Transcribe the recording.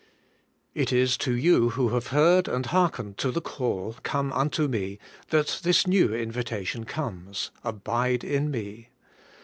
IT is to you who have heard and hearkened to the call, 'Come unto m^,' that this new invitation comes, * Abide in me.'